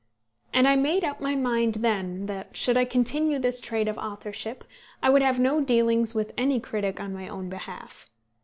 And I made up my mind then that, should I continue this trade of authorship, I would have no dealings with any critic on my own behalf.